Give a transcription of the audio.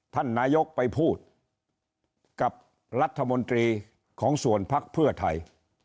ท่านนายกไปพูดกับรัฐมนตรีของส่วนพักเพื่อไทย